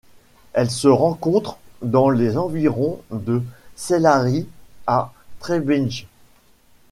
Elle se rencontre dans les environs de Sedlari à Trebinje.